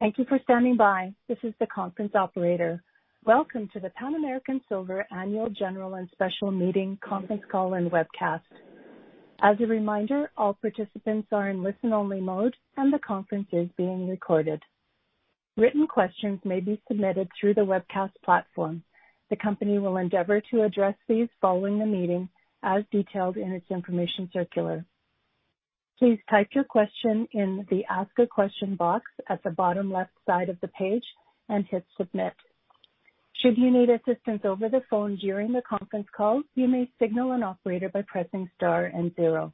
Thank you for standing by. This is the conference operator. Welcome to the Pan American Silver annual general and special meeting, conference call, and webcast. As a reminder, all participants are in listen-only mode and the conference is being recorded. Written questions may be submitted through the webcast platform. The company will endeavor to address these following the meeting as detailed in its information circular. Please type your question in the ask a question box at the bottom left side of the page and hit submit. Should you need assistance over the phone during the conference call, you may signal an operator by pressing star and zero.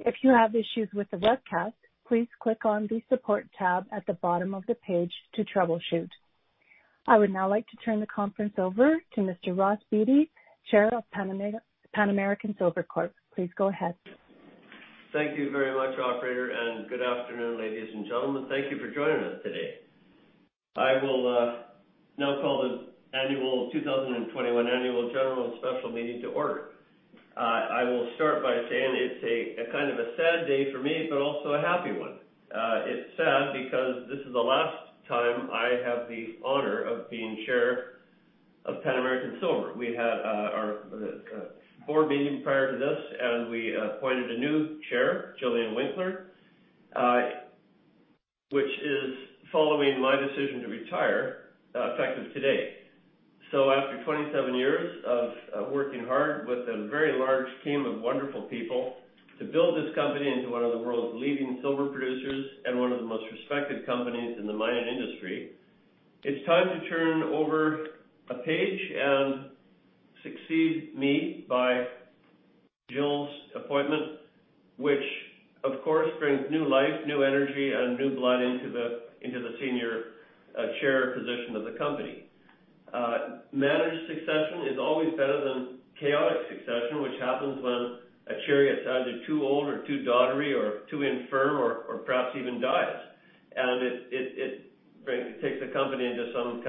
If you have issues with the webcast, please click on the support tab at the bottom of the page to troubleshoot. I would now like to turn the conference over to Mr. Ross Beaty, Chair of Pan American Silver Corp. Please go ahead. Thank you very much, operator, and good afternoon, ladies and gentlemen. Thank you for joining us today. I will now call the 2021 annual general and special meeting to order. I will start by saying it's a sad day for me, but also a happy one. It's sad because this is the last time I have the honor of being Chair of Pan American Silver. We had our board meeting prior to this. We appointed a new Chair, Gillian Winckler, which is following my decision to retire, effective today. After 27 years of working hard with a very large team of wonderful people to build this company into one of the world's leading silver producers and one of the most respected companies in the mining industry, it's time to turn over a page and succeed me by Jill's appointment, which of course brings new life, new energy, and new blood into the senior Chair position of the company. Managed succession is always better than chaotic succession, which happens when a chair gets either too old or too dottery or too infirm or perhaps even dies. It takes a company into some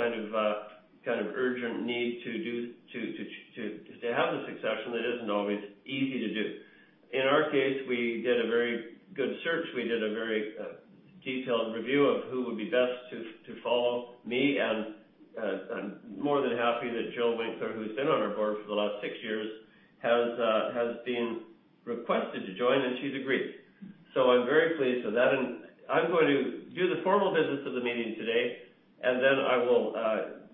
kind of urgent need to have the succession that isn't always easy to do. In our case, we did a very good search. We did a very detailed review of who would be best to follow me, and I'm more than happy that Jill Winckler, who's been on our board for the last six years, has been requested to join, and she's agreed. I'm very pleased with that. I'm going to do the formal business of the meeting today, and then I will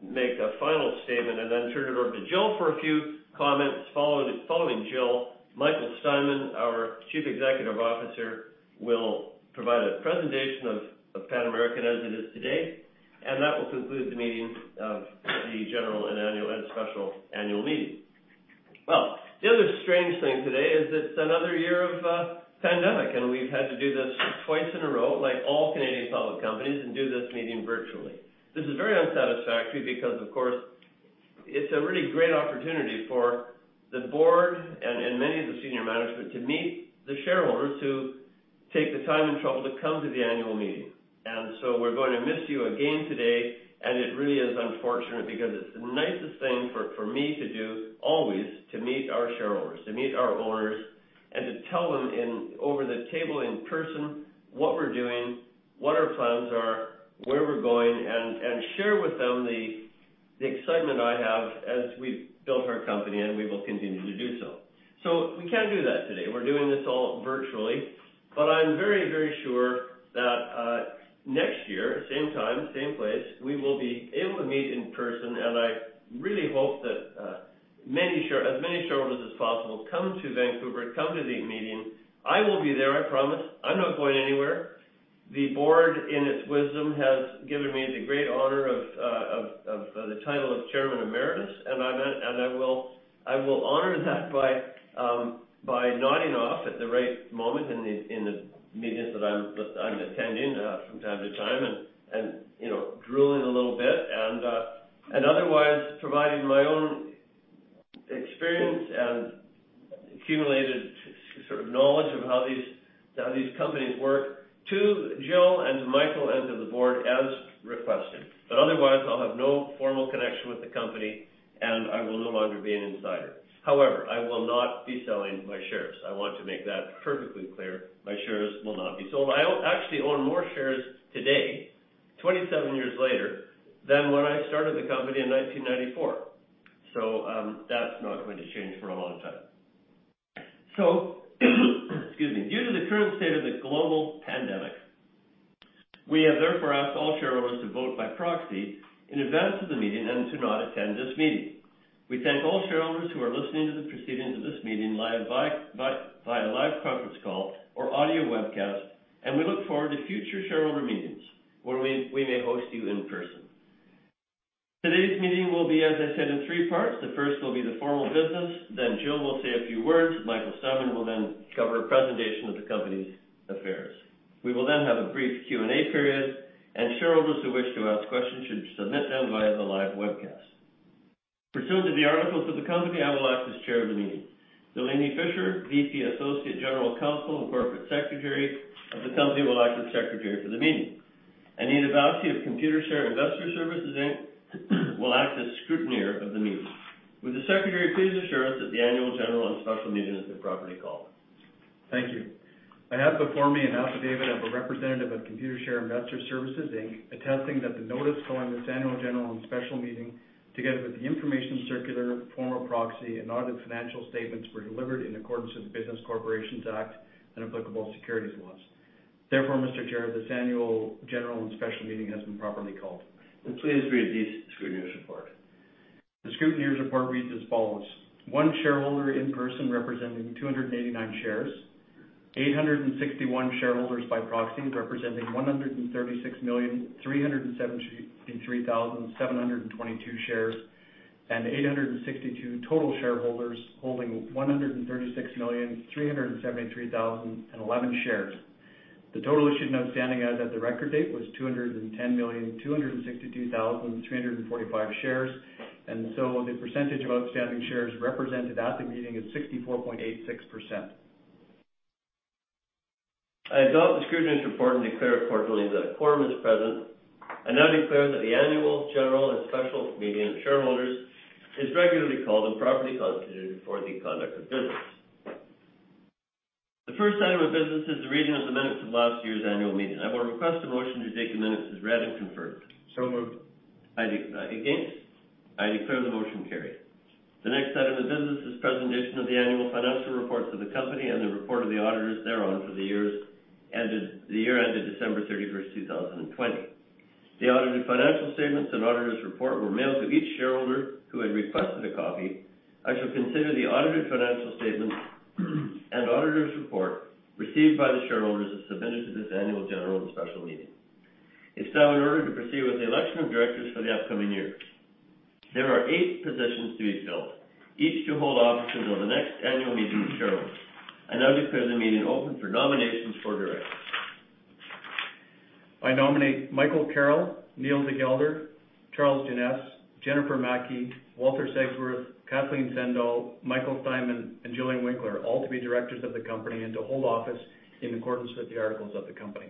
make a final statement and then turn it over to Jill for a few comments. Following Jill, Michael Steinmann, our Chief Executive Officer, will provide a presentation of Pan American Silver as it is today. That will conclude the meeting of the general and special annual meeting. The other strange thing today is it's another year of pandemic, and we've had to do this twice in a row, like all Canadian public companies, and do this meeting virtually. This is very unsatisfactory because, of course, it's a really great opportunity for the board and many of the senior management to meet the shareholders who take the time and trouble to come to the annual meeting. We're going to miss you again today. It really is unfortunate because it's the nicest thing for me to do, always, to meet our shareholders, to meet our owners, and to tell them over the table in person what we're doing, what our plans are, where we're going, and share with them the excitement I have as we've built our company and we will continue to do so. We can't do that today. We're doing this all virtually, but I'm very sure that next year, same time, same place, we will be able to meet in person, and I really hope that as many shareholders as possible come to Vancouver, come to the meeting. I will be there, I promise. I'm not going anywhere. The board, in its wisdom, has given me the great honor of the title of Chairman Emeritus, and I will honor that by nodding off at the right moment in the meetings that I'm attending from time to time and drooling a little bit and otherwise providing my own experience and accumulated sort of knowledge of how these companies work to Jill and to Michael and to the board as requested. Otherwise, I'll have no formal connection with the company and I will no longer be an insider. However, I will not be selling my shares. I want to make that perfectly clear. My shares will not be sold. I actually own more shares today, 27 years later, than when I started the company in 1994. That's not going to change for a long time. Excuse me. Due to the current state of the global pandemic, we have therefore asked all shareholders to vote by proxy in advance of the meeting and to not attend this meeting. We thank all shareholders who are listening to the proceedings of this meeting via live conference call or audio webcast, and we look forward to future shareholder meetings where we may host you in person. Today's meeting will be, as I said, in three parts. The first will be the formal business, then Jill will say a few words. Michael Steinmann will then cover a presentation of the company's affairs. We will have a brief Q&A period. Shareholders who wish to ask questions should submit them via the live webcast. Pursuant to the articles of the company, I will act as chair of the meeting. Delaney Fisher, VP, Associate General Counsel, and Corporate Secretary of the company will act as Secretary for the meeting. Anita Bosi of Computershare Investor Services Inc. will act as Scrutineer of the meeting. Will the Secretary please assure us that the annual general and special meeting is a properly called? Thank you. I have before me an affidavit of a representative of Computershare Investor Services Inc., attesting that the notice calling this annual general and special meeting, together with the information circular, form of proxy, and audited financial statements, were delivered in accordance with the Business Corporations Act and applicable securities laws. Therefore, Mr. Chair, this annual general and special meeting has been properly called. Please read the scrutineer's report. The scrutineer's report reads as follows: one shareholder, in person, representing 289 shares, 861 shareholders by proxy representing 136,373,722 shares, and 862 total shareholders holding 136,373,011 shares. The total issued and outstanding as at the record date was 210,262,345 shares. The percentage of outstanding shares represented at the meeting is 64.86%. I adopt the scrutineer's report and declare accordingly that a quorum is present. I now declare that the annual general and special meeting of shareholders is regularly called and properly constituted for the conduct of business. The first item of business is the reading of the minutes of last year's annual meeting. I will request a motion to take the minutes as read and confirmed. Moved. Against? I declare the motion carried. The next item of business is presentation of the annual financial reports of the company and the report of the auditors thereon for the year ended December 31st, 2020. The audited financial statements and auditors report were mailed to each shareholder who had requested a copy. I shall consider the audited financial statements and auditors report received by the shareholders as submitted to this annual general and special meeting. It's now in order to proceed with the election of directors for the upcoming year. There are eight positions to be filled, each to hold office until the next annual meeting of shareholders. I now declare the meeting open for nominations for directors. I nominate Michael Carroll, Neil de Gelder, Charles Jeannes, Jennifer Maki, Walter Segsworth, Kathleen Sendall, Michael Steinmann, and Gillian Winckler, all to be directors of the company and to hold office in accordance with the articles of the company.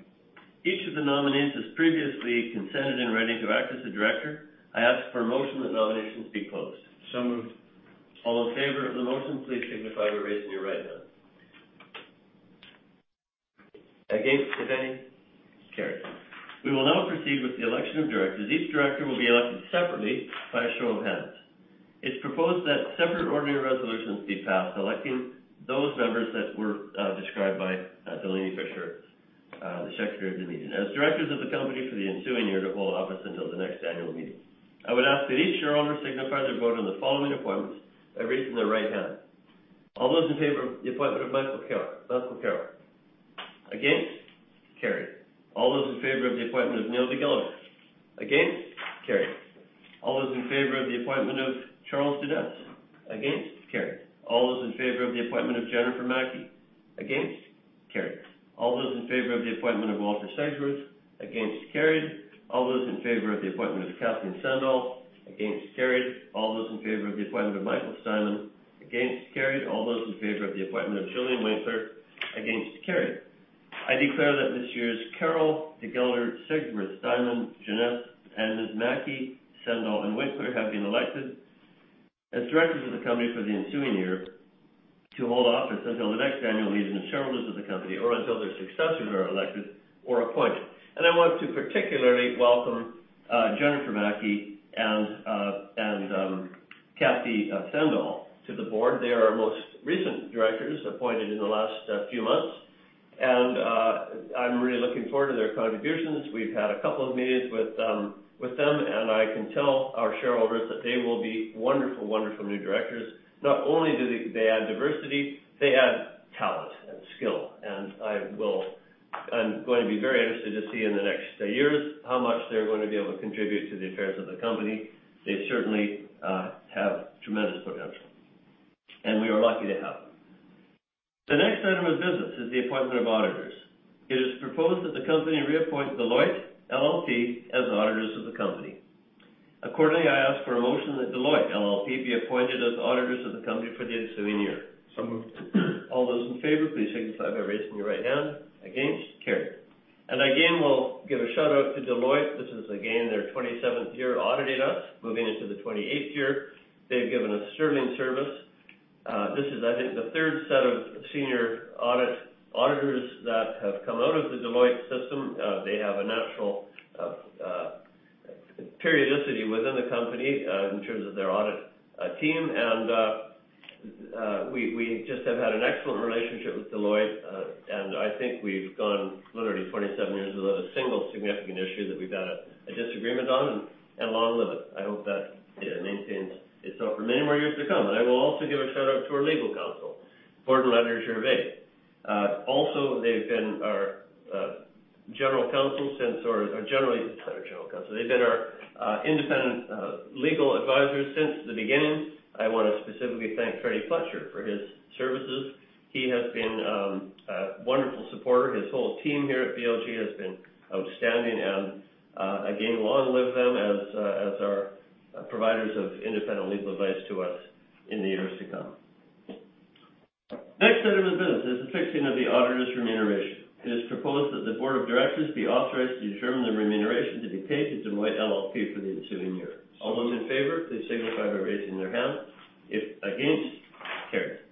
Each of the nominees has previously consented in writing to act as a director. I ask for a motion that nominations be closed. Moved. All in favor of the motion, please signify by raising your right hand. Against, if any? Carried. We will now proceed with the election of directors. Each director will be elected separately by a show of hands. It's proposed that separate order and resolutions be passed electing those members that were described by Delaney Fisher, the secretary of the meeting, as directors of the company for the ensuing year to hold office until the next annual meeting. I would ask that each shareholder signify their vote on the following appointments by raising their right hand. All those in favor of the appointment of Michael Carroll. Against? Carried. All those in favor of the appointment of Neil de Gelder. Against? Carried. All those in favor of the appointment of Charles Jeannes. Against? Carried. All those in favor of the appointment of Jennifer Maki. Against? Carried. All those in favor of the appointment of Walter Segsworth. Against? Carried. All those in favor of the appointment of Kathleen Sendall. Against? Carried. All those in favor of the appointment of Michael Steinmann. Against? Carried. All those in favor of the appointment of Gillian Winckler. Against? Carried. I declare that this year's Carroll, de Gelder, Segsworth, Steinmann, Jeannes, Maki, Sendall, and Winckler have been elected as directors of the company for the ensuing year to hold office until the next annual meeting of shareholders of the company or until their successors are elected or appointed. I want to particularly welcome Jennifer Maki and Kathy Sendall to the board. They are our most recent directors, appointed in the last few months. I'm really looking forward to their contributions. We've had a couple of meetings with them, and I can tell our shareholders that they will be wonderful new directors. Not only do they add diversity, they add talent and skill, and I'm going to be very interested to see in the next years how much they're going to be able to contribute to the affairs of the company. They certainly have tremendous potential, and we are lucky to have them. The next item of business is the appointment of auditors. It is proposed that the company reappoint Deloitte LLP as auditors of the company. Accordingly, I ask for a motion that Deloitte LLP be appointed as auditors of the company for the ensuing year. Moved. All those in favor, please signify by raising your right hand. Against? Carried. Again, we'll give a shout-out to Deloitte. This is, again, their 27th year auditing us, moving into the 28th year. They've given us sterling service. This is, I think, the third set of senior auditors that have come out of the Deloitte system. They have a natural periodicity within the company in terms of their audit team. We just have had an excellent relationship with Deloitte. I think we've gone literally 27 years without a single significant issue that we've had a disagreement on. Long live it. I hope that it maintains itself for many more years to come. I will also give a shout-out to our legal counsel, Borden Ladner Gervais. Also, they've been our general counsel since, or generally Not our general counsel. They've been our independent legal advisors since the beginning. I want to specifically thank Freddy Fletcher for his services. He has been a wonderful supporter. His whole team here at BLG has been outstanding. Again, long live them as our providers of independent legal advice to us in the years to come. Next item of business is the fixing of the auditor's remuneration. It is proposed that the board of directors be authorized to determine the remuneration to be paid to Deloitte LLP for the ensuing year. All those in favor, please signify by raising their hand. Against? Carried.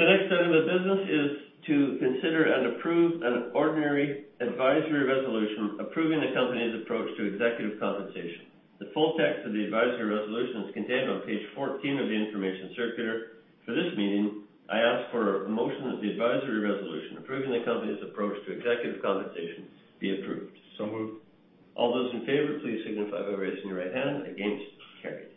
The next item of business is to consider and approve an ordinary advisory resolution approving the company's approach to executive compensation. The full text of the advisory resolution is contained on page 14 of the information circular. For this meeting, I ask for a motion that the advisory resolution approving the company's approach to executive compensation be approved. Moved. All those in favor, please signify by raising your right hand. Against. Carried.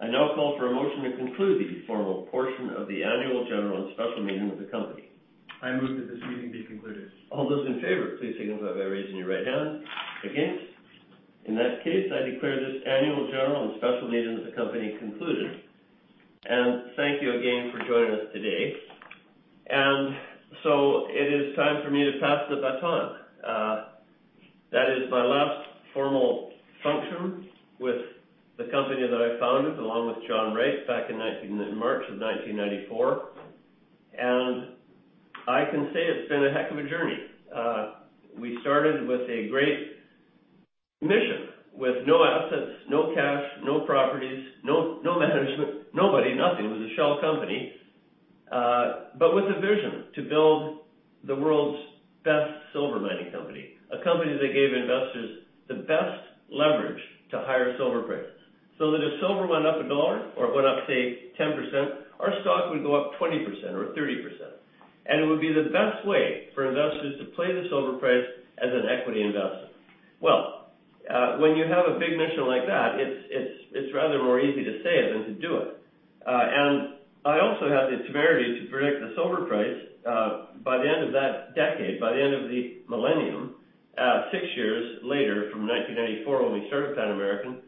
I now call for a motion to conclude the formal portion of the annual general and special meeting of the company. I move that this meeting be concluded. All those in favor, please signify by raising your right hand. Against. In that case, I declare this annual general and special meeting of the company concluded. Thank you again for joining us today. It is time for me to pass the baton. That is my last formal function with the company that I founded, along with John Rake back in March of 1994. I can say it's been a heck of a journey. We started with a great mission, with no assets, no cash, no properties, no management, nobody, nothing. It was a shell company. With a vision to build the world's best silver mining company, a company that gave investors the best leverage to higher silver prices. That if silver went up $1 or it went up, say, 10%, our stock would go up 20% or 30%. It would be the best way for investors to play the silver price as an equity investor. Well, when you have a big mission like that, it's rather more easy to say it than to do it. I also had the temerity to predict the silver price, by the end of that decade, by the end of the millennium, six years later from 1994 when we started Pan American.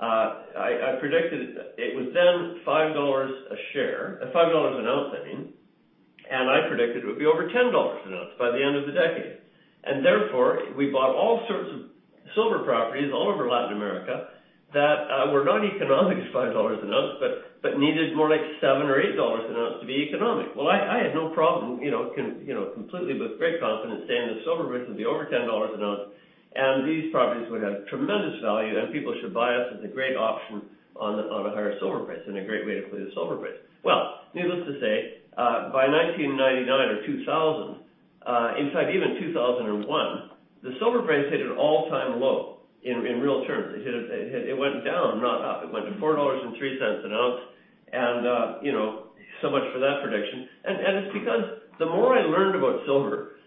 It was then $5 an ounce. I predicted it would be over $10 an ounce by the end of the decade. Therefore, we bought all sorts of silver properties all over Latin America that were not economic at $5 an ounce but needed more like $7 or $8 an ounce to be economic. I had no problem completely with great confidence saying the silver price would be over $10 an ounce, and these properties would have tremendous value, and people should buy us as a great option on a higher silver price and a great way to play the silver price. Needless to say, by 1999 or 2000, in fact, even 2001, the silver price hit an all-time low in real terms. It went down, not up. It went to $4.03 an ounce and so much for that prediction. It's because the more I learned about silver,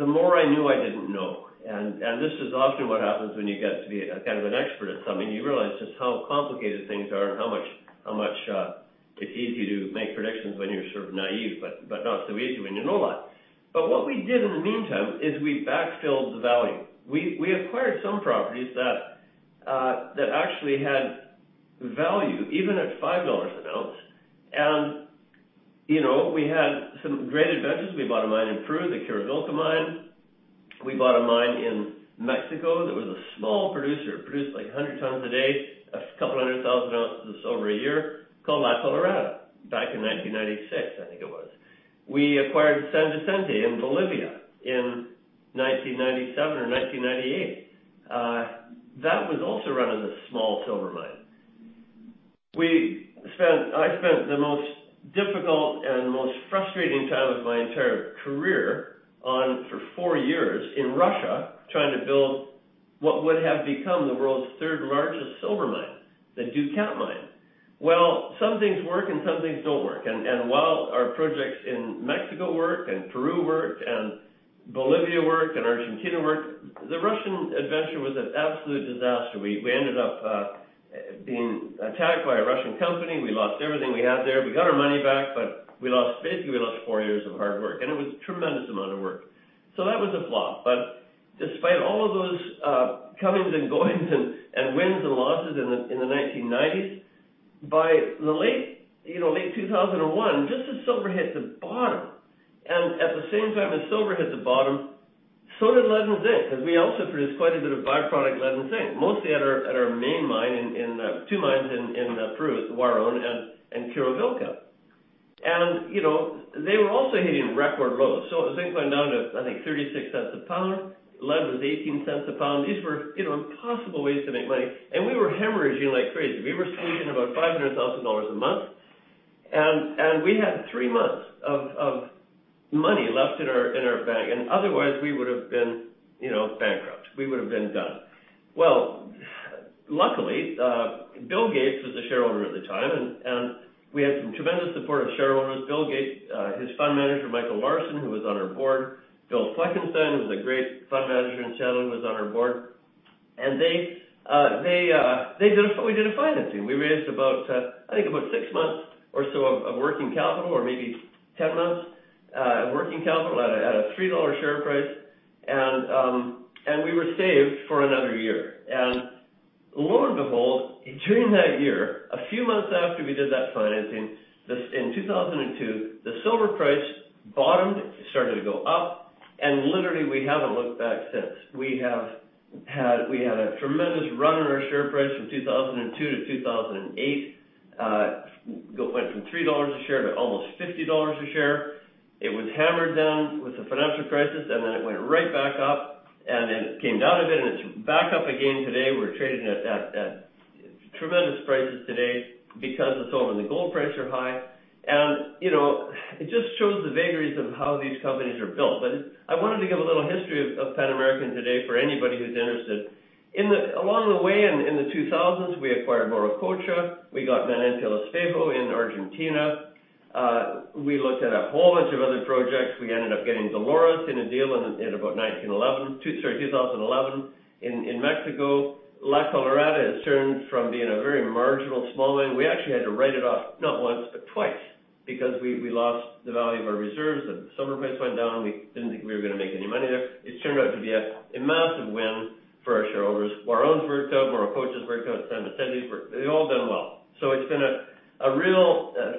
the more I knew I didn't know. This is often what happens when you get to be an expert at something. You realize just how complicated things are and how much it's easy to make predictions when you're sort of naive, but not so easy when you know a lot. What we did in the meantime is we backfilled the value. We acquired some properties that actually had value, even at $5 an ounce. We had some great adventures. We bought a mine in Peru, the Quiruvilca mine. We bought a mine in Mexico that was a small producer. It produced like 100 tons a day, a couple of hundred thousand ounces of silver a year, called La Colorada back in 1996, I think it was. We acquired San Vicente in Bolivia in 1997 or 1998. That was also run as a small silver mine. I spent the most difficult and most frustrating time of my entire career for four years in Russia trying to build what would have become the world's third-largest silver mine, the Dukat mine. Well, some things work and some things don't work. While our projects in Mexico worked and Peru worked and Bolivia worked and Argentina worked, the Russian adventure was an absolute disaster. We ended up being attacked by a Russian company. We lost everything we had there. We got our money back, basically, we lost four years of hard work, and it was a tremendous amount of work. That was a flop. Despite all of those comings and goings and wins and losses in the 1990s, by late 2001, just as silver hit the bottom, and at the same time as silver hit the bottom, so did lead and zinc, because we also produced quite a bit of byproduct lead and zinc, mostly at our two mines in Peru at Huaron and Quiruvilca. They were also hitting record lows. Zinc went down to, I think, $0.36 a pound. Lead was $0.18 a pound. These were impossible ways to make money, and we were hemorrhaging like crazy. We were spending about $500,000 a month, and we had three months of money left in our bank. Otherwise, we would have been bankrupt. We would have been done. Well, luckily, Bill Gates was a shareholder at the time, and we had some tremendous support of shareholders. Bill Gates, his fund manager, Michael Larson, who was on our board, Bill Fleckenstein, who was a great fund manager and Chairman, was on our board. We did a financing. We raised about, I think about six months or so of working capital, or maybe 10 months of working capital at a $3 share price, and we were saved for another year. Lo and behold, during that year, a few months after we did that financing, in 2002, the silver price bottomed, started to go up, and literally, we haven't looked back since. We had a tremendous run on our share price from 2002 to 2008. It went from $3 a share to almost $50 a share. It was hammered down with the financial crisis, and then it went right back up, and then it came down a bit, and it's back up again today. We're trading at tremendous prices today because the silver and the gold prices are high. It just shows the vagaries of how these companies are built. I wanted to give a little history of Pan American today for anybody who's interested. Along the way, in the 2000s, we acquired Morococha, we got Minera El Esteco in Argentina. We looked at a whole bunch of other projects. We ended up getting Dolores in a deal in about 2011. In Mexico, La Colorada has turned from being a very marginal small mine. We actually had to write it off not once, but twice, because we lost the value of our reserves and the silver price went down. We didn't think we were going to make any money there. It's turned out to be a massive win for our shareholders. Huaron's worked out, Morococha's worked out, San Vicente, they've all done well. It's been,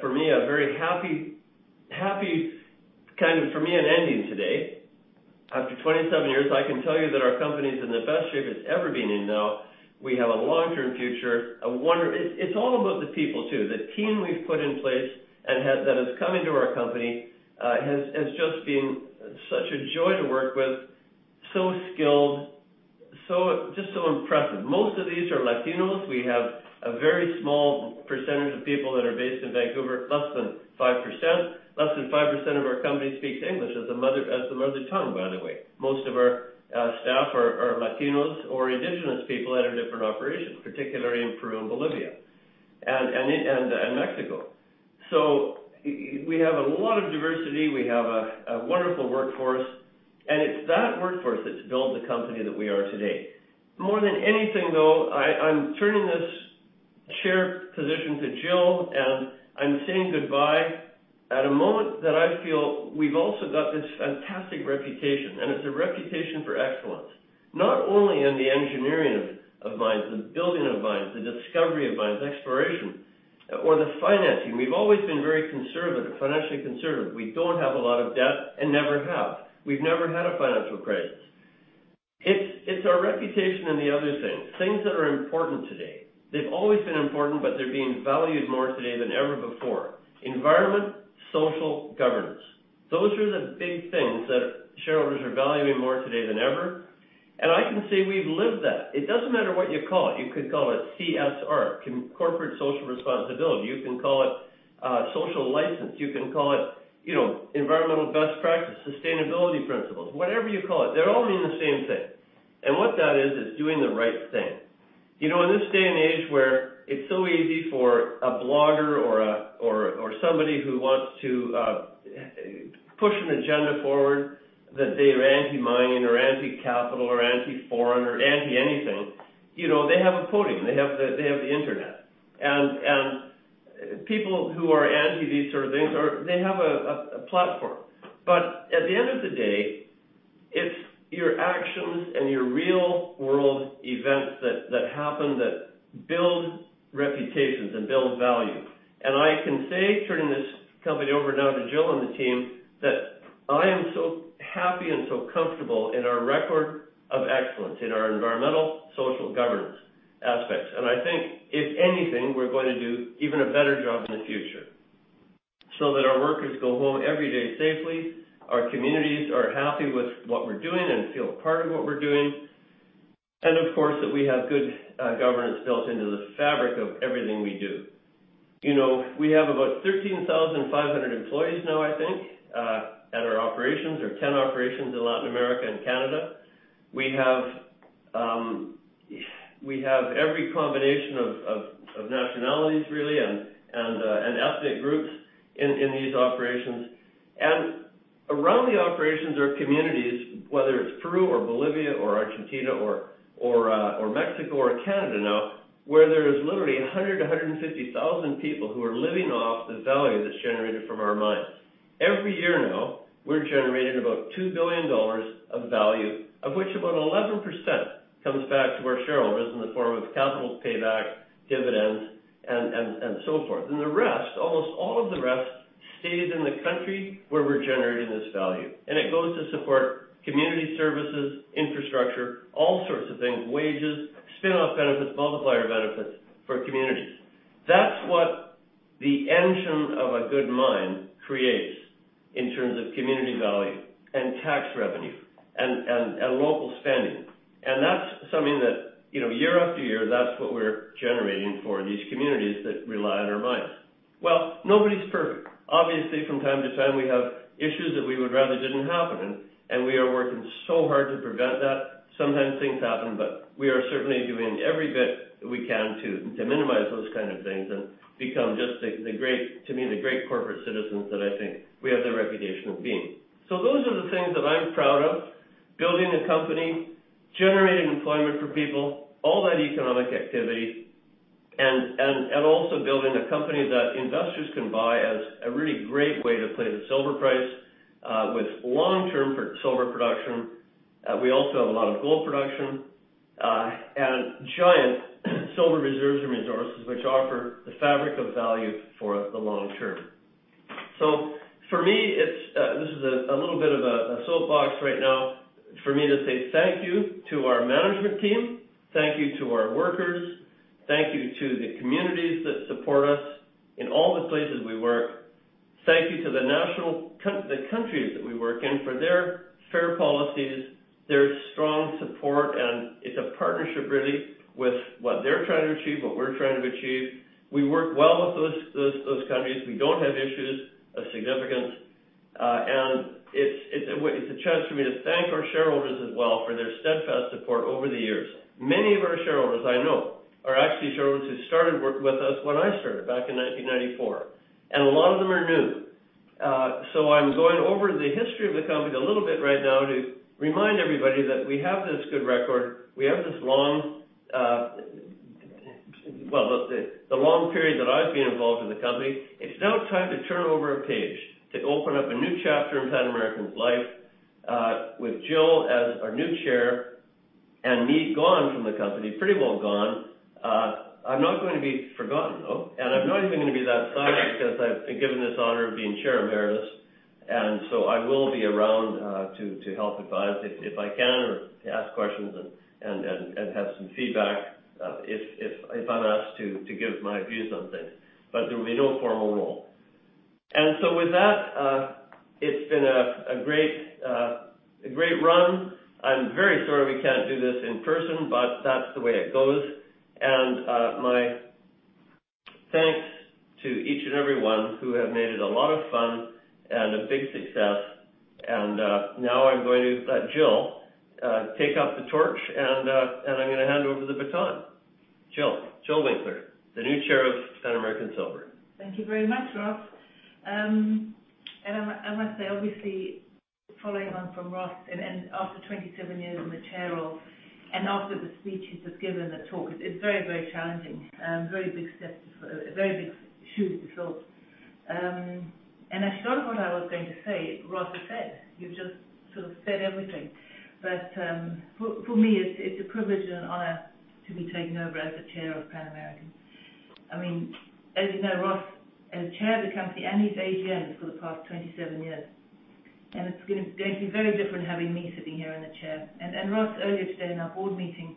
for me, a very happy ending today. After 27 years, I can tell you that our company's in the best shape it's ever been in now. We have a long-term future. It's all about the people, too. The team we've put in place and that has come into our company, has just been such a joy to work with, so skilled, just so impressive. Most of these are Latinos. We have a very small percentage of people that are based in Vancouver, less than 5%. Less than 5% of our company speaks English as a mother tongue, by the way. Most of our staff are Latinos or Indigenous people at our different operations, particularly in Peru and Bolivia and Mexico. We have a lot of diversity. We have a wonderful workforce, and it's that workforce that's built the company that we are today. More than anything, though, I'm turning this Chair position to Jill, and I'm saying goodbye at a moment that I feel we've also got this fantastic reputation, and it's a reputation for excellence. Not only in the engineering of mines, the building of mines, the discovery of mines, exploration, or the financing. We've always been very financially conservative. We don't have a lot of debt and never have. We've never had a financial crisis. It's our reputation in the other things that are important today. They've always been important, but they're being valued more today than ever before. Environment, Social, Governance. Those are the big things that shareholders are valuing more today than ever. I can say we've lived that. It doesn't matter what you call it. You could call it CSR, Corporate Social Responsibility. You can call it social license. You can call it environmental best practice, sustainability principles, whatever you call it, they all mean the same thing. What that is doing the right thing. In this day and age where it's so easy for a blogger or somebody who wants to push an agenda forward, that they're anti-mining or anti-capital or anti-foreign or anti-anything, they have a podium, they have the internet. People who are anti these sort of things, they have a platform. At the end of the day, it's your actions and your real-world events that happen that build reputations and build value. I can say, turning this company over now to Jill and the team, that I am so happy and so comfortable in our record of excellence, in our environmental social governance aspects. I think, if anything, we're going to do even a better job in the future so that our workers go home every day safely, our communities are happy with what we're doing and feel a part of what we're doing, and of course, that we have good governance built into the fabric of everything we do. We have about 13,500 employees now, I think, at our operations. There are 10 operations in Latin America and Canada. We have every combination of nationalities, really, and ethnic groups in these operations. Around the operations are communities, whether it's Peru or Bolivia or Argentina or Mexico or Canada now, where there is literally 100,000-150,000 people who are living off the value that's generated from our mines. Every year now, we're generating about $2 billion of value, of which about 11% comes back to our shareholders in the form of capital payback, dividends, and so forth. The rest, almost all of the rest, stays in the country where we're generating this value. It goes to support community services, infrastructure, all sorts of things, wages, spinoff benefits, multiplier benefits for communities. That's what the engine of a good mine creates in terms of community value and tax revenue and local spending. That's something that, year after year, that's what we're generating for these communities that rely on our mines. Well, nobody's perfect. Obviously, from time to time, we have issues that we would rather didn't happen, and we are working so hard to prevent that. Sometimes things happen. We are certainly doing every bit we can to minimize those kind of things and become just, to me, the great corporate citizens that I think we have the reputation of being. Those are the things that I'm proud of. Building a company, generating employment for people, all that economic activity, and also building a company that investors can buy as a really great way to play the silver price with long-term silver production. We also have a lot of gold production. Giant silver reserves and resources, which offer the fabric of value for the long term. For me, this is a little bit of a soapbox right now for me to say thank you to our management team, thank you to our workers, thank you to the communities that support us in all the places we work. Thank you to the countries that we work in for their fair policies, their strong support, and it's a partnership really with what they're trying to achieve, what we're trying to achieve. We work well with those countries. We don't have issues of significance. It's a chance for me to thank our shareholders as well for their steadfast support over the years. Many of our shareholders, I know, are actually shareholders who started working with us when I started back in 1994, and a lot of them are new. I'm going over the history of the company a little bit right now to remind everybody that we have this good record, we have this long period that I've been involved in the company. It's now time to turn over a page, to open up a new chapter in Pan American's life, with Jill as our new Chair and me gone from the company. Pretty well gone. I'm not going to be forgotten, though, and I'm not even going to be that silent because I've been given this honor of being Chair Emeritus, and so I will be around to help advise if I can or to ask questions and have some feedback if I'm asked to give my views on things. There will be no formal role. With that, it's been a great run. I'm very sorry we can't do this in person, but that's the way it goes. My thanks to each and everyone who have made it a lot of fun and a big success. Now I'm going to let Jill take up the torch, and I'm going to hand over the baton. Jill Winckler, the new Chair of Pan American Silver. Thank you very much, Ross. I must say, obviously, following on from Ross, and after 27 years in the chair role, and after the speech he's just given, the talk, it's very challenging. Very big shoes to fill. Actually a lot of what I was going to say, Ross has said. You've just sort of said everything. For me, it's a privilege and an honor to be taking over as the chair of Pan American. As you know, Ross as chair of the company and his AGM for the past 27 years, it's going to be very different having me sitting here in the chair. Ross earlier today in our board meeting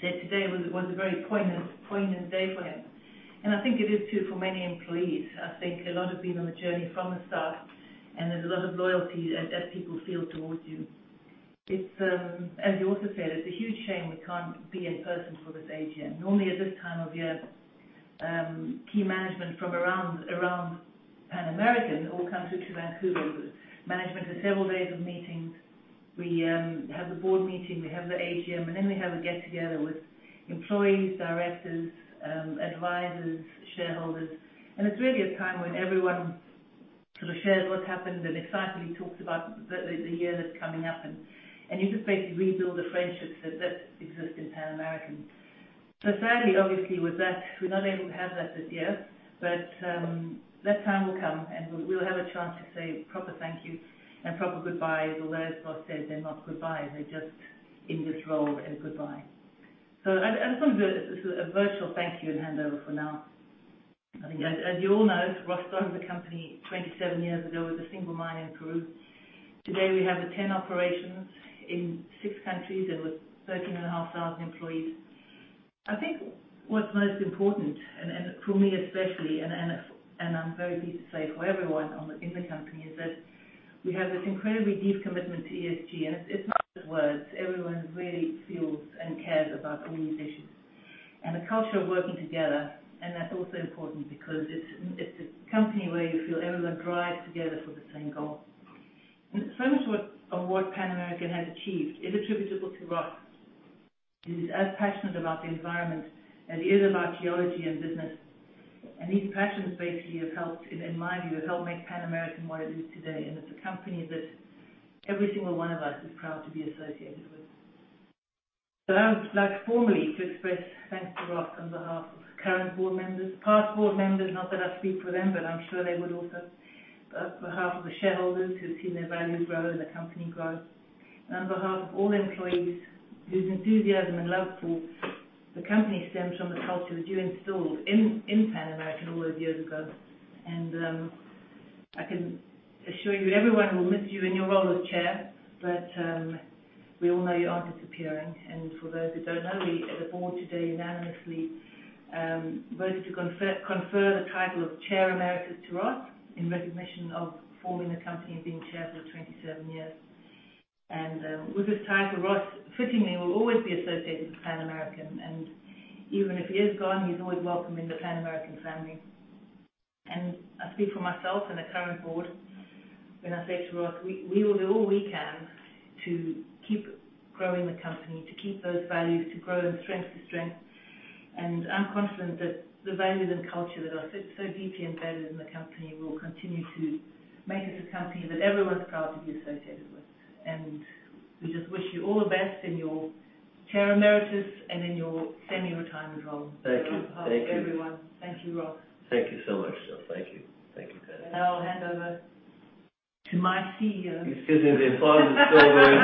said today was a very poignant day for him. I think it is too for many employees. I think a lot have been on the journey from the start. There's a lot of loyalty that people feel towards you. As you also said, it's a huge shame we can't be in person for this AGM. Normally at this time of year, key management from around Pan American all come to Vancouver. Management has several days of meetings. We have the board meeting, we have the AGM. Then we have a get together with employees, directors, advisors, shareholders. It's really a time when everyone sort of shares what's happened and excitedly talks about the year that's coming up. You just basically rebuild the friendships that exist in Pan American. Sadly, obviously, with that, we're not able to have that this year, but that time will come, and we'll have a chance to say proper thank you and proper goodbyes, although, as Ross said, they're not goodbyes, they're just in this role a goodbye. I just want to do a sort of virtual thank you and handover for now. As you all know, Ross started the company 27 years ago with a single mine in Peru. Today, we have 10 operations in six countries and with 13,500 employees. I think what's most important, and for me especially, and I'm very pleased to say for everyone in the company, is that we have this incredibly deep commitment to ESG, and it's not just words. Everyone really feels and cares about all these issues. A culture of working together, and that's also important because it's a company where you feel everyone drives together for the same goal. So much of what Pan American has achieved is attributable to Ross, who's as passionate about the environment as he is about geology and business. These passions basically, in my view, have helped make Pan American what it is today, and it's a company that every single one of us is proud to be associated with. I would like formally to express thanks to Ross on behalf of current board members, past board members, not that I speak for them, but I'm sure they would also, on behalf of the shareholders who've seen their values grow and the company grow, and on behalf of all employees whose enthusiasm and love for the company stems from the culture that you installed in Pan American all those years ago. I can assure you, everyone will miss you in your role as chair, but we all know you aren't disappearing. For those who don't know, we at the board today unanimously voted to confer the title of Chair Emeritus to Ross in recognition of forming the company and being chair for 27 years. With this title, Ross fittingly will always be associated with Pan American, and even if he is gone, he's always welcome in the Pan American family. I speak for myself and the current board when I say to Ross, we will do all we can to keep growing the company, to keep those values, to grow from strength to strength. I'm confident that the values and culture that are so deeply embedded in the company will continue to make us a company that everyone's proud to be associated with. We just wish you all the best in your chair emeritus and in your semi-retirement role. Thank you. On behalf of everyone, thank you, Ross. Thank you so much, Jill. Thank you. Now I'll hand over to my CEO. Excuse me, the applause is still there.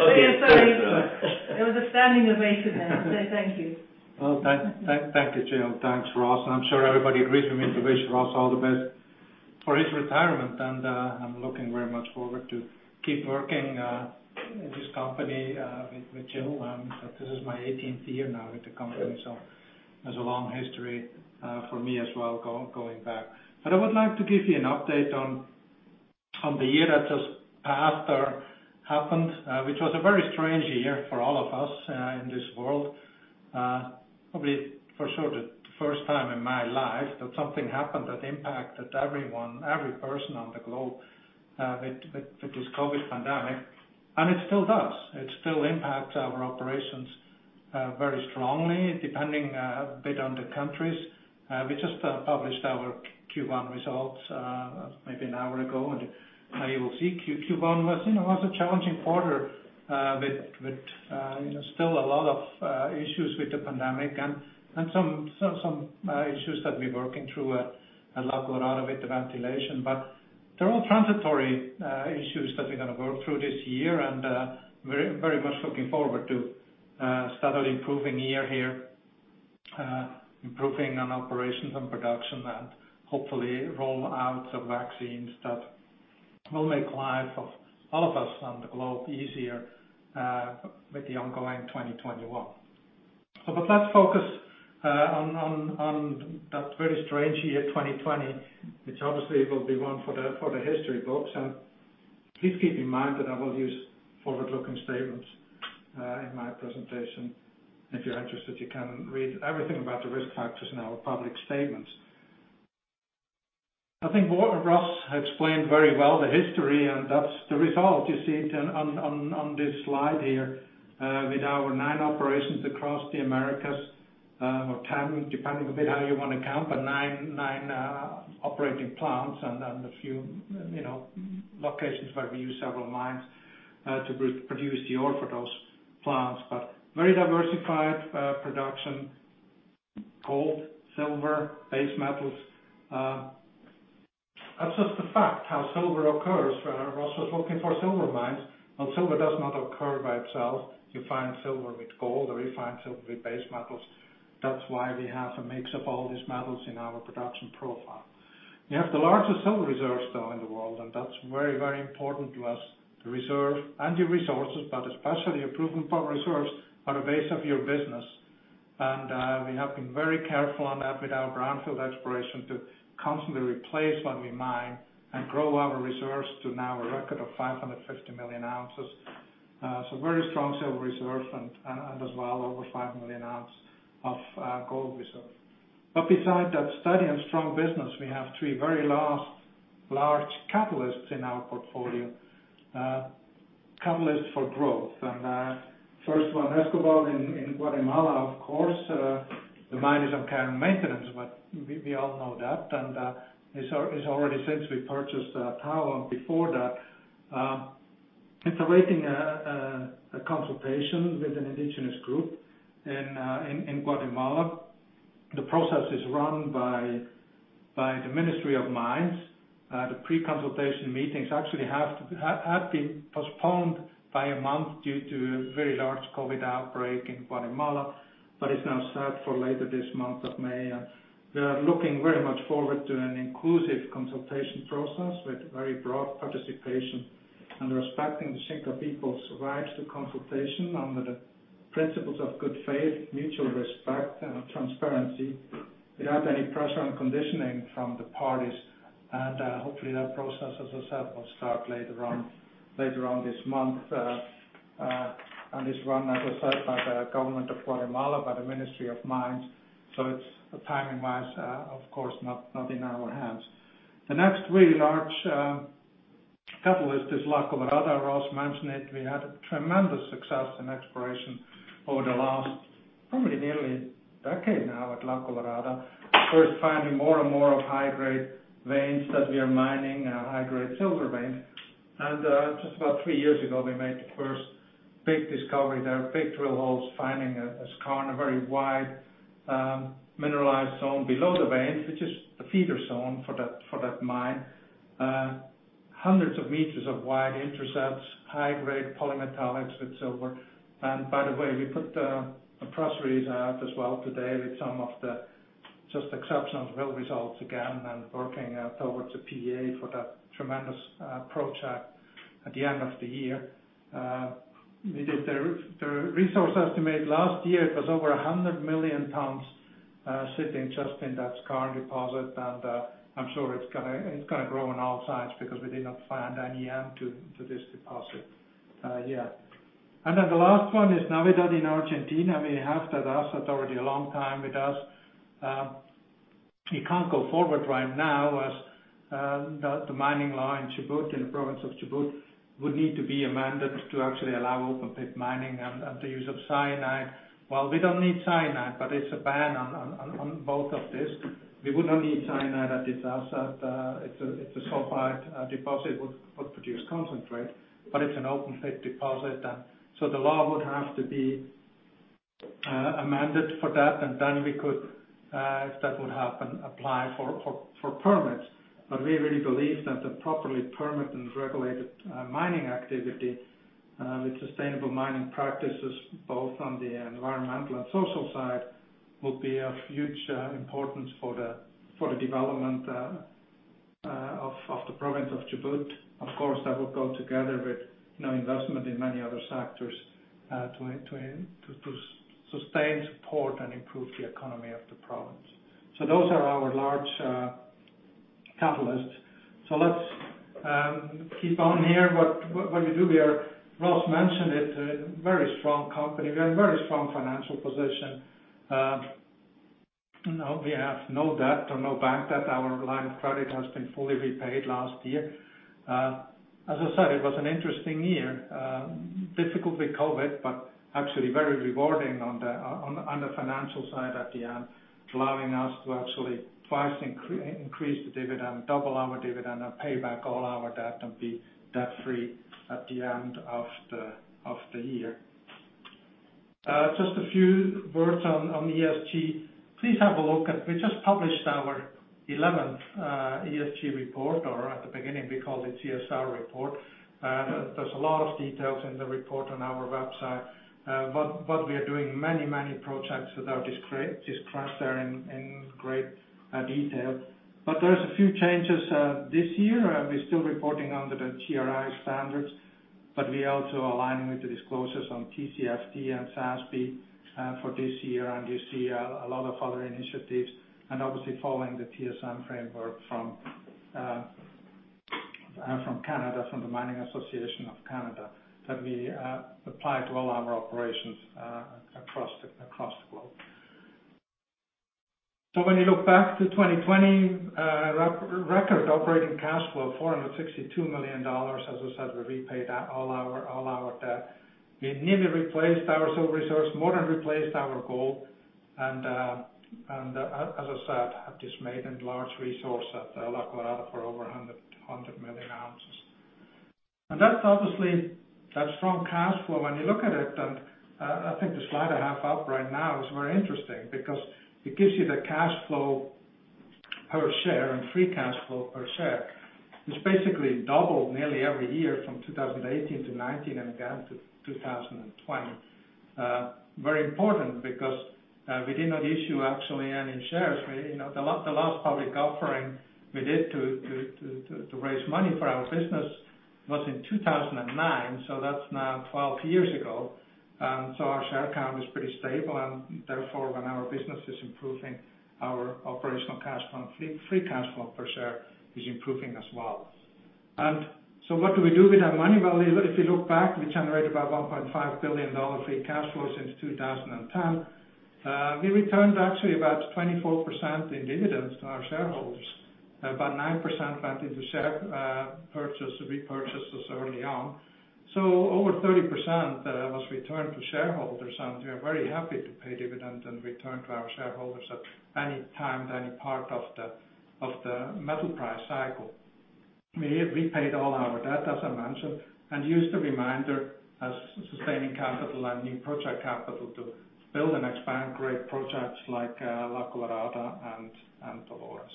Oh, yeah, sorry. There was a standing ovation there. Thank you. Well, thank you, Jill. Thanks, Ross. I'm sure everybody agrees with me to wish Ross all the best for his retirement, and I'm looking very much forward to keep working in this company with Gillian. This is my 18th year now with the company, so there's a long history for me as well, going back. I would like to give you an update on the year that just happened, which was a very strange year for all of us in this world. Probably, for sure the first time in my life that something happened that impacted everyone, every person on the globe, with this COVID pandemic, and it still does. It still impacts our operations very strongly, depending a bit on the countries. We just published our Q1 results maybe an hour ago. You will see Q1 was a challenging quarter with still a lot of issues with the pandemic and some issues that we're working through at La Colorada with the ventilation. They're all transitory issues that we're going to work through this year and very much looking forward to start an improving year here. Improving on operations and production and hopefully roll out of vaccines that will make life of all of us on the globe easier with the ongoing 2021. Let's focus on that very strange year 2020, which obviously will be one for the history books. Please keep in mind that I will use forward-looking statements in my presentation. If you're interested, you can read everything about the risk factors in our public statements. I think Ross explained very well the history, and that's the result you see on this slide here, with our nine operations across the Americas, or 10, depending a bit how you want to count. Nine operating plants and a few locations where we use several mines to produce the ore for those plants. Very diversified production, gold, silver, base metals. That's just the fact how silver occurs. When Ross was looking for silver mines, well, silver does not occur by itself. You find silver with gold, or you find silver with base metals. That's why we have a mix of all these metals in our production profile. We have the largest silver reserves, though, in the world, and that's very, very important to us. The reserve and the resources, but especially a proven gold reserve are the base of your business. We have been very careful on that with our brownfield exploration to constantly replace what we mine and grow our reserves to now a record of 550 million ounces. Very strong silver reserve and as well, over 500 million ounces of gold reserve. Beside that steady and strong business, we have three very large catalysts in our portfolio. Catalysts for growth. First one, Escobal in Guatemala, of course. The mine is on care and maintenance, but we all know that, and it's already since we purchased Tahoe before that. It's awaiting a consultation with an indigenous group in Guatemala. The process is run by the Ministry of Mines. The pre-consultation meetings actually had been postponed by a month due to a very large COVID outbreak in Guatemala, but it's now set for later this month of May. We are looking very much forward to an inclusive consultation process with very broad participation and respecting the Xinka people's right to consultation under the principles of good faith, mutual respect and transparency, without any pressure and conditioning from the parties. Hopefully that process, as I said, will start later on this month, and is run, as I said, by the government of Guatemala, by the Ministry of Mines. It's timing-wise, of course not in our hands. The next really large catalyst is La Colorada. Ross mentioned it. We had a tremendous success in exploration over the last probably nearly decade now at La Colorada. First finding more and more of high-grade veins that we are mining, high-grade silver veins. Just about three years ago, we made the first big discovery there, big drill holes, finding a skarn, a very wide mineralized zone below the veins, which is a feeder zone for that mine. Hundreds of meters of wide intercepts, high grade polymetallics with silver. By the way, we put a press release out as well today with some of the just exceptional drill results again and working out towards a PEA for that tremendous project at the end of the year. The resource estimate last year, it was over 100 million tons sitting just in that skarn deposit, and I'm sure it's going to grow on all sides because we did not find any end to this deposit yet. The last one is Navidad in Argentina. We have that asset already a long time with us. We can't go forward right now as the mining law in Chubut, in the province of Chubut, would need to be amended to actually allow open pit mining and the use of cyanide. We don't need cyanide, but it's a ban on both of these. We would not need cyanide at this asset. It's a sulfide deposit, would produce concentrate, but it's an open pit deposit. The law would have to be amended for that, and then we could, if that would happen, apply for permits. Recent and properly permitted regulated mining activity with sustainable mining practices, both on the environmental and social side, will be of huge importance for the development of the province of Chubut. Of course, that will go together with investment in many other sectors to sustain, support, and improve the economy of the province. Those are our large catalysts. Let's keep on here. What do we do here? Ross mentioned it. Very strong company. We're in a very strong financial position. We have no debt or no bank debt. Our line of credit has been fully repaid last year. As I said, it was an interesting year. Difficult with COVID, but actually very rewarding on the financial side at the end, allowing us to actually twice increase the dividend, double our dividend and pay back all our debt and be debt-free at the end of the year. Just a few words on ESG. Please have a look. We just published our 11th ESG report, or at the beginning, we called it CSR report. There's a lot of details in the report on our website. We are doing many projects that are described there in great detail. There's a few changes this year. We're still reporting under the GRI standards, we also are aligning with the disclosures on TCFD and SASB for this year. You see a lot of other initiatives, and obviously following the TSM framework from Canada, from the Mining Association of Canada, that we apply to all our operations across the globe. When you look back to 2020, record operating cash flow, $462 million. As I said, we repaid all our debt. We nearly replaced our silver resource, more than replaced our gold, and as I said, have this maiden large resource at La Colorada for over 100 million ounces. That's obviously that strong cash flow when you look at it, and I think the slide I have up right now is very interesting because it gives you the cash flow per share and free cash flow per share. It's basically doubled nearly every year from 2018-2019, and again to 2020. Very important because we did not issue actually any shares. The last public offering we did to raise money for our business was in 2009, so that's now 12 years ago. Our share count is pretty stable, and therefore, when our business is improving, our operational cash flow and free cash flow per share is improving as well. What do we do with our money? Well, if you look back, we generated about $1.5 billion free cash flow since 2010. We returned actually about 24% in dividends to our shareholders. About 9% went into share purchase, repurchases early on. Over 30% was returned to shareholders, and we are very happy to pay dividends and return to our shareholders at any time, any part of the metal price cycle. We repaid all our debt, as I mentioned, and used the remainder as sustaining capital and new project capital to build and expand great projects like La Colorada and Dolores.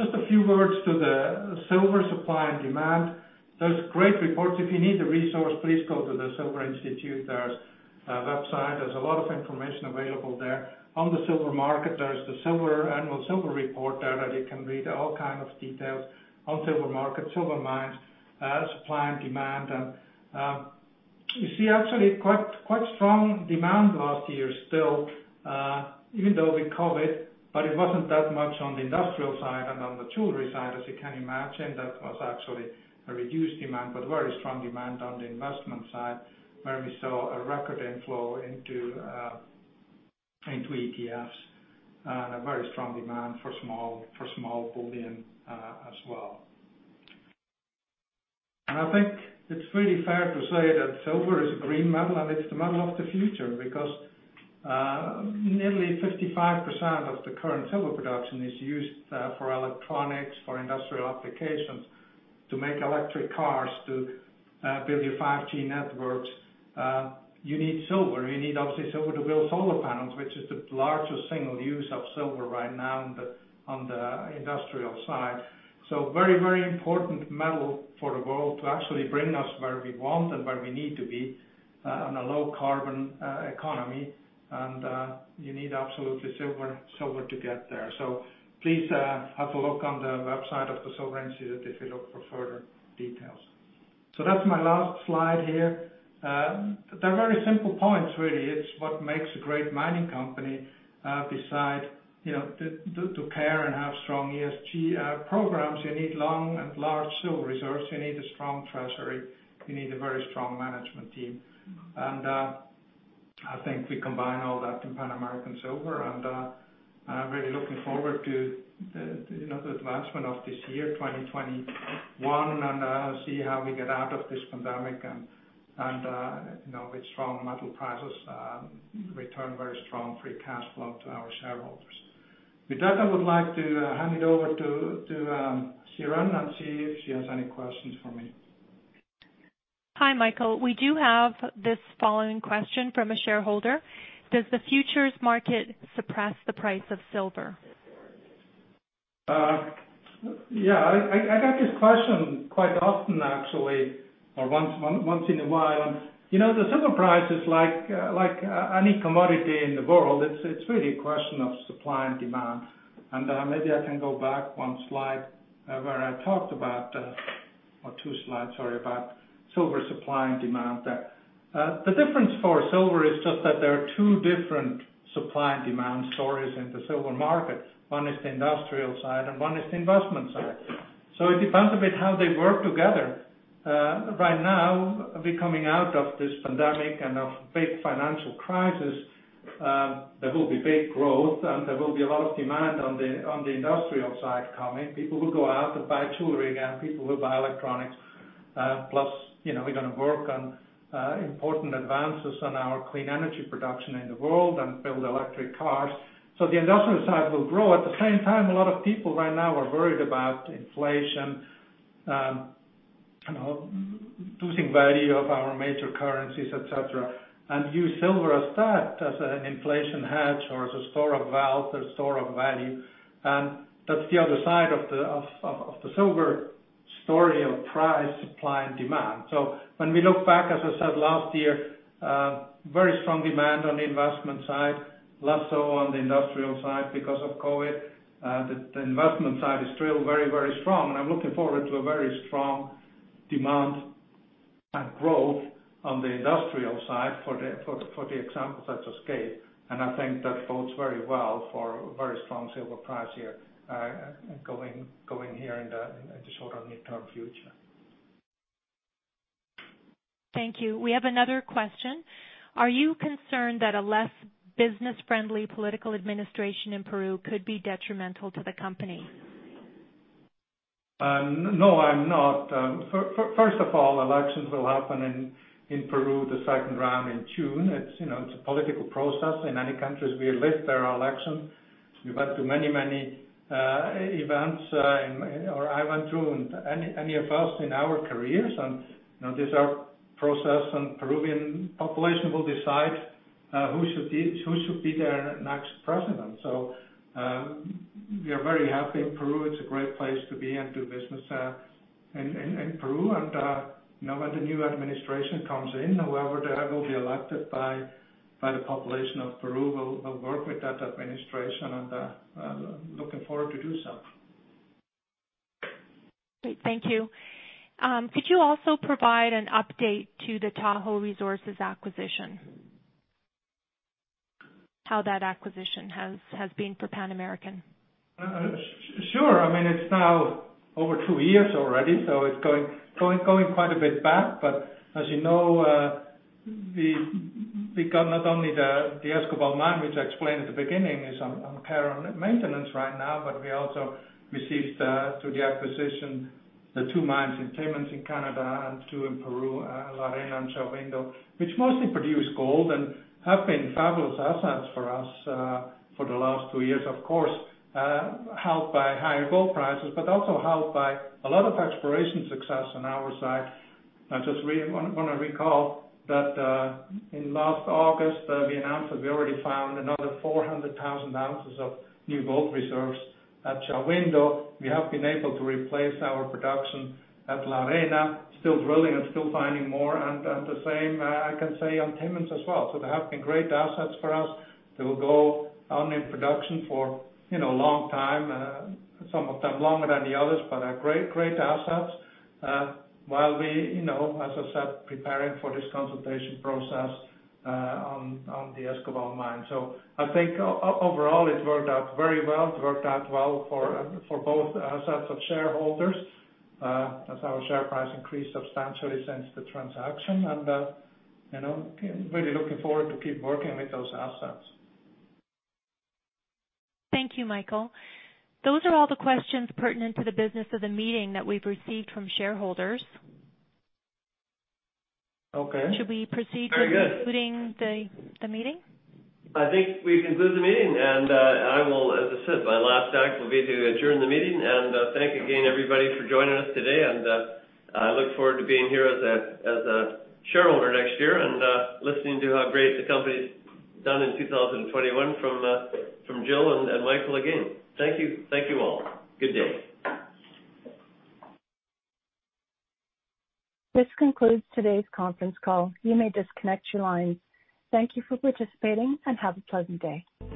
Just a few words to the silver supply and demand. There's great reports. If you need the resource, please go to The Silver Institute. There's a website, there's a lot of information available there on the silver market. There's the annual silver report there that you can read all kind of details on silver market, silver mines, supply and demand. You see actually quite strong demand last year still, even though with COVID, but it wasn't that much on the industrial side and on the jewelry side, as you can imagine, that was actually a reduced demand, but very strong demand on the investment side, where we saw a record inflow into ETFs and a very strong demand for small bullion as well. I think it's really fair to say that silver is a green metal and it's the metal of the future because nearly 55% of the current silver production is used for electronics, for industrial applications. To make electric cars, to build your 5G networks, you need silver. You need obviously silver to build solar panels, which is the largest single use of silver right now on the industrial side. Very important metal for the world to actually bring us where we want and where we need to be on a low carbon economy. You need absolutely silver to get there. Please have a look on the website of The Silver Institute if you look for further details. That's my last slide here. They're very simple points really. It's what makes a great mining company, besides to care and have strong ESG programs, you need long and large silver reserves. You need a strong treasury. You need a very strong management team. I think we combine all that in Pan American Silver, and I'm really looking forward to the advancement of this year, 2021, and see how we get out of this pandemic and with strong metal prices, return very strong free cash flow to our shareholders. With that, I would like to hand it over to Sharon and see if she has any questions for me. Hi, Michael. We do have this following question from a shareholder. Does the futures market suppress the price of silver? Yeah, I get this question quite often, actually, or once in a while. The silver price is like any commodity in the world, it's really a question of supply and demand. Maybe I can go back one slide where I talked about, or two slides, sorry, about silver supply and demand there. The difference for silver is just that there are two different supply and demand stories in the silver market. One is the industrial side and one is the investment side. It depends a bit how they work together. Right now, we coming out of this pandemic and a big financial crisis, there will be big growth, and there will be a lot of demand on the industrial side coming. People will go out and buy jewelry again, people will buy electronics. We're going to work on important advances on our clean energy production in the world and build electric cars. The industrial side will grow. At the same time, a lot of people right now are worried about inflation, losing value of our major currencies, et cetera, and use silver as that as an inflation hedge or as a store of wealth or store of value. That's the other side of the silver story of price, supply, and demand. When we look back, as I said last year, very strong demand on the investment side, less so on the industrial side because of COVID. The investment side is still very, very strong, and I'm looking forward to a very strong demand and growth on the industrial side for the examples I just gave. I think that bodes very well for very strong silver price here going here in the shorter near-term future. Thank you. We have another question. Are you concerned that a less business-friendly political administration in Peru could be detrimental to the company? No, I'm not. First of all, elections will happen in Peru, the second round in June. It's a political process. In many countries we live, there are elections. We went through many, many events or I went through, and any of us in our careers, and these are process and Peruvian population will decide who should be their next president. We are very happy in Peru. It's a great place to be and do business in Peru. When the new administration comes in, whoever will be elected by the population of Peru, we'll work with that administration and looking forward to do so. Great, thank you. Could you also provide an update to the Tahoe Resources acquisition? How that acquisition has been for Pan American? Sure. It's now over two years already, it's going quite a bit back. As you know, we got not only the Escobal Mine, which I explained at the beginning is on care and maintenance right now, we also received through the acquisition the two mines in Timmins in Canada and two in Peru, La Arena and Shahuindo, which mostly produce gold and have been fabulous assets for us for the last two years. Of course, helped by higher gold prices, but also helped by a lot of exploration success on our side. I just want to recall that in last August, we announced that we already found another 400,000 oz of new gold reserves at Shahuindo. We have been able to replace our production at La Arena, still drilling and still finding more. The same I can say on Timmins as well. They have been great assets for us that will go on in production for long time, some of them longer than the others, but are great assets while we, as I said, preparing for this consultation process on the Escobal Mine. I think overall it worked out very well. It worked out well for both sets of shareholders, as our share price increased substantially since the transaction. Really looking forward to keep working with those assets. Thank you, Michael. Those are all the questions pertinent to the business of the meeting that we've received from shareholders. Okay. Should we proceed to? Very good. concluding the meeting? I think we conclude the meeting, and I will, as I said, my last act will be to adjourn the meeting. Thank again, everybody, for joining us today, and I look forward to being here as a shareholder next year and listening to how great the company's done in 2021 from Jill and Michael again. Thank you all. Good day. This concludes today's conference call. You may disconnect your lines. Thank you for participating and have a pleasant day.